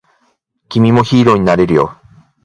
君もヒーローになれるよ